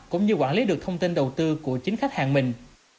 cũng như quản lý được thông tin đầu tư của chính khách hàng mình